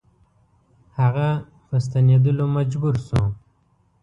هغه په ستنېدلو مجبور شو.